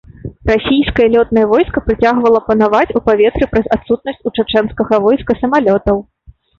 Расійскае лётнае войска працягвала панаваць у паветры праз адсутнасць у чачэнскага войска самалётаў.